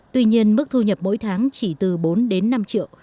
tuy nhiên mức thu nhập mỗi tháng chỉ từ bốn đến năm triệu